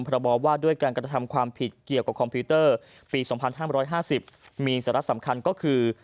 บอกว่าด้วยการกระทำความผิดเกี่ยวกับคอมพิวเตอร์ปี๒๕๕๐มีสาระสำคัญก็คือ